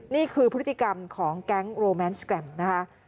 นี่คือพฤติกรรมของแก๊งโรแมนสแกรมนะคะ